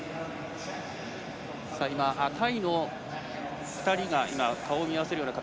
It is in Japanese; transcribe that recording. タイの２人が顔を見合わせるような形。